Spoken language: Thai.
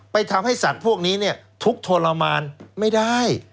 ทำให้สัตว์พวกนี้เนี่ยทุกข์ทรมานไม่ได้